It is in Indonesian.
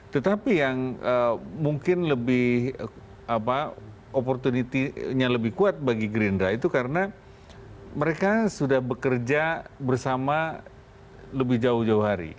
tetapi yang mungkin lebih opportunity nya lebih kuat bagi gerindra itu karena mereka sudah bekerja bersama lebih jauh jauh hari